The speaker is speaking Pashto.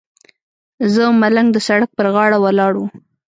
زه او ملنګ د سړک پر غاړه ولاړ وو.